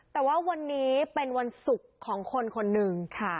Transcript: แต่ว่าวันนี้เป็นวันศุกร์ของคนคนหนึ่งค่ะ